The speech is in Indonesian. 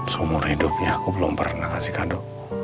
seumur hidupnya aku belum pernah kasih kado